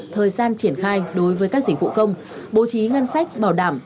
thời gian triển khai đối với các dịch vụ công bố trí ngân sách bảo đảm